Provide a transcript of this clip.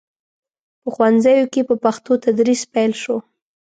په ښوونځیو کې په پښتو تدریس پیل شو.